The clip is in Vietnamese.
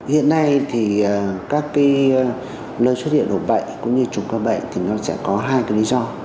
hiện nay các nơi xuất hiện ổ bệnh cũng như chủng ca bệnh sẽ có hai lý do